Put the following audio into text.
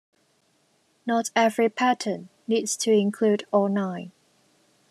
Not every pattern needs to include all nine.